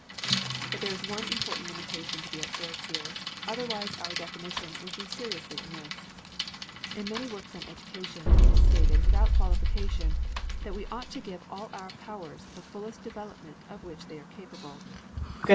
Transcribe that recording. But there is one important limitation to be observed here, otherwise our definition would be seriously amiss. In many works on education, it is stated, without qualification, that we ought to give to all our powers the fullest development of which they are capable.